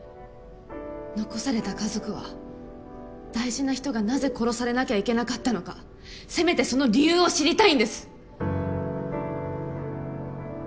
残された家族は大事な人がなぜ殺されなきゃいけなかったのかせめてその理由を知りたいんです。